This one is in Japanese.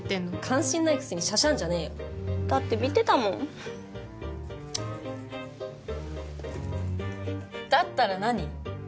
関心ないくせにしゃしゃんじゃねえよだって見てたもんだったら何？